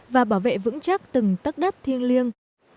và bảo vệ vững chắc từng tất đất thiêng liêng